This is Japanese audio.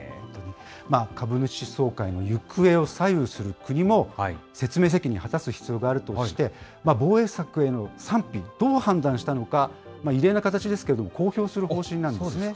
株主総会の行方を左右する国も、説明責任果たす必要があるとして、防衛策への賛否、どう判断したのか、異例の形ですけれども公表する方針なんですね。